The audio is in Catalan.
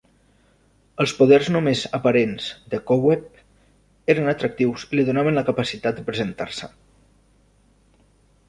Els poders només aparents de Cobweb eren atractius i li donaven la capacitat de presentar-se.